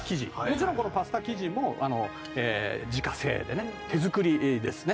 もちろんこのパスタ生地も自家製でね手作りですね。